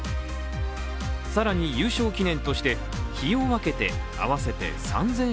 更に、優勝記念として日を分けて合わせて３０００